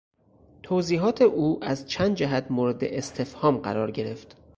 توضیحات او از چند جهت مورد استفهام قرار گرفت.